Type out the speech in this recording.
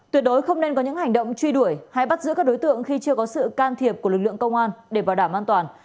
tuyệt đối không nên có những hành động truy đuổi hay bắt giữ các đối tượng khi chưa có sự can thiệp của lực lượng công an để bảo đảm an toàn